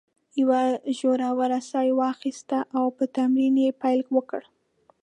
یوه ژوره ساه یې واخیستل او په تمرین یې پیل وکړ.